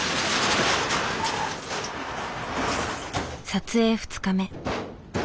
撮影２日目。